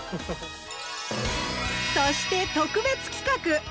そして特別企画！